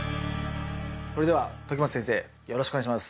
それでは時松先生よろしくお願いします